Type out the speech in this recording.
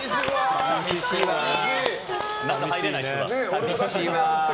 寂しいな。